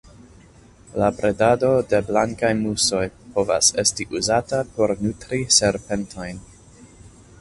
La bredado de blankaj musoj povas esti uzata por nutri serpentojn.